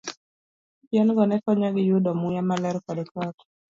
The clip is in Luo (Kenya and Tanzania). Yien go ne konyogi yudo muya maler kod koth.